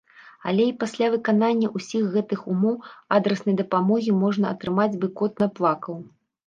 Але і пасля выканання ўсіх гэтых ўмоў адраснай дапамогі можна атрымаць бы кот наплакаў!